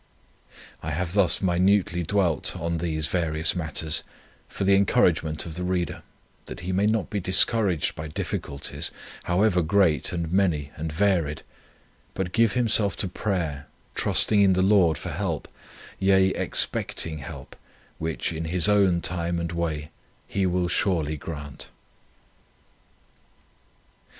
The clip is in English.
3. I have thus minutely dwelt on these various matters for the encouragement of the reader, that he may not be discouraged by difficulties, however great and many and varied, but give himself to prayer, trusting in the Lord for help, yea, expecting help, which, in His own time and way, He will surely grant."